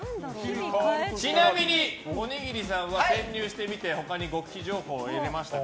ちなみに、おにぎりさんは潜入してみて他に極秘情報は得られましたか？